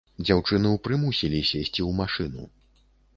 Дзяўчыну прымусілі сесці ў машыну.